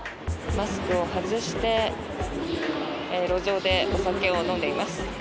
マスクを外して路上でお酒を飲んでいます。